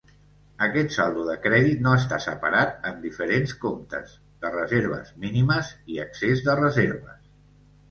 Aquest saldo de crèdit no està separat en diferents comptes de "reserves mínimes" i "excés de reserves".